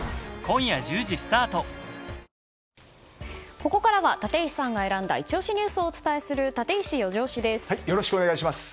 ここからは立石さんが選んだイチ押しニュースをお伝えするよろしくお願いします。